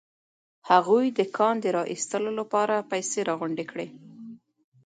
هغوی د کان د را ايستلو لپاره پيسې راغونډې کړې.